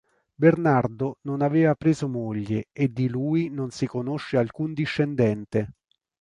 Bernardo non aveva preso moglie e di lui non si conosce alcun discendente.